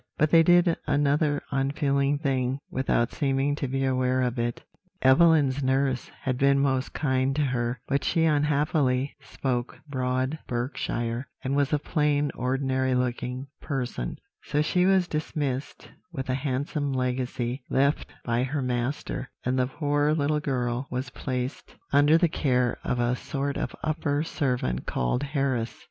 But they did another unfeeling thing, without seeming to be aware of it: Evelyn's nurse had been most kind to her, but she unhappily spoke broad Berkshire, and was a plain, ordinary looking person; so she was dismissed, with a handsome legacy left by her master, and the poor little girl was placed under the care of a sort of upper servant called Harris.